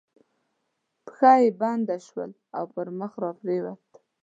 پښه یې بنده شول او پر مخ را پرېوت.